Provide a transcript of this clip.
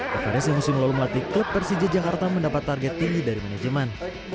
kevariasi musim lalu melatih klub persija jakarta mendapat target tinggi dari manajemen